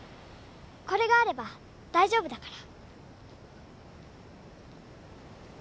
これがあれば大丈夫だから。